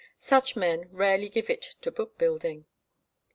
Such men rarely give it to book building.